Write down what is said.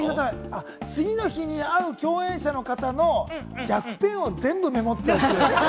次の日に会う共演者の方の弱点を全部メモっておく。